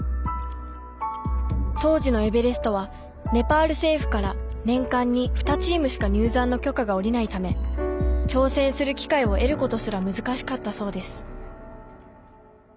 当時のエベレストはネパール政府から年間に２チームしか入山の許可が下りないため挑戦する機会を得ることすら難しかったそうです